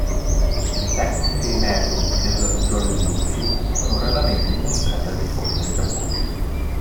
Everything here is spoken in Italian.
Le tecniche e i metodi dell'hojōjutsu sono raramente dimostrati al di fuori del Giappone.